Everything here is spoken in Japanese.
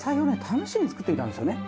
試しに作ってみたんですよね。